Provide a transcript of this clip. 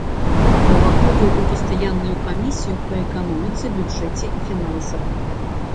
Уваходзіў у пастаянную камісію па эканоміцы, бюджэце і фінансах.